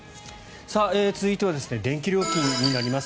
続いては、電気料金になります。